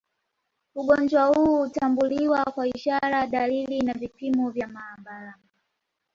Ugonjwa huu hutambuliwa kwa ishara dalili na vipimo vya maabara